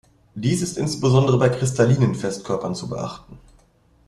Dies ist insbesondere bei kristallinen Festkörpern zu beachten.